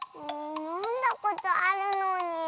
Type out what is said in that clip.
のんだことあるのに。